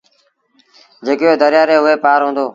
جيڪو دريآ ري هوئي پآر هُݩدو۔